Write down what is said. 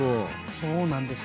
そうなんです。